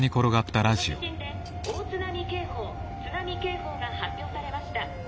この地震で大津波警報津波警報が発表されました。